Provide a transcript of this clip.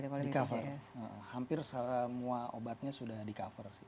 di cover hampir semua obatnya sudah di cover sih